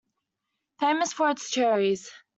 Famous for its cherries.